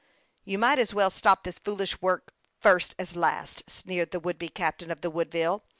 " You might as well stop this foolish work first as last," sneered the would be captain of the Wood ville.